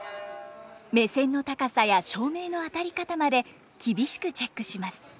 目線の高さや照明の当たり方まで厳しくチェックします。